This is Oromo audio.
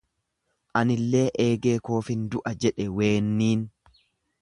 Anillee eegee koofin du'a jedhe weenniin.